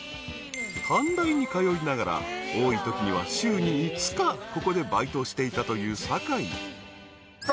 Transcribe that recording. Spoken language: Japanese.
［短大に通いながら多いときには週に５日ここでバイトをしていたという坂井］